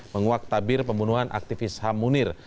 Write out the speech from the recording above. menguak tabir pembunuhan aktivis ham munir